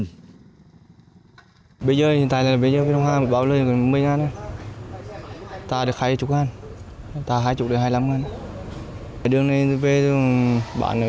hàng ngày lực lượng chức năng đều là đlung tấn đường kính